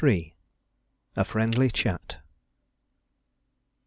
A FRIENDLY CHAT.